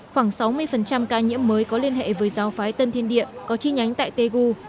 khoảng sáu mươi ca nhiễm mới có liên hệ với giáo phái tân thiên điện có chi nhánh tại tê gu